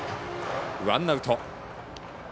ワンアウト。